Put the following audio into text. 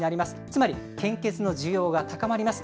つまり、献血の需要が高まります。